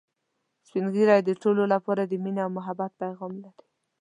سپین ږیری د ټولو لپاره د ميني او محبت پیغام لري